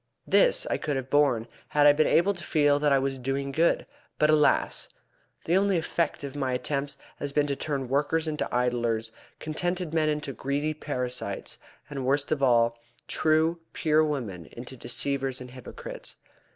This I could have borne had I been able to feel that I was doing good, but, alas! the only effect of my attempts has been to turn workers into idlers, contented men into greedy parasites, and, worst of all, true, pure women into deceivers and hypocrites.